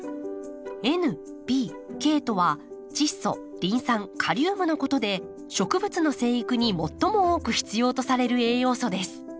「Ｎ」「Ｐ」「Ｋ」とは「チッ素」「リン酸」「カリウム」のことで植物の生育に最も多く必要とされる栄養素です。